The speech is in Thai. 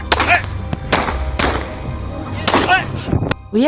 รอบนานกดให้แสดง